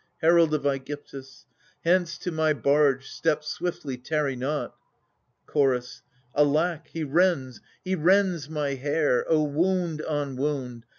Herald of ^gyptus. Hence to my barge — step swiftly, tarry not. Chorus. Alack, he rends — he rends my hair ! O wound on wound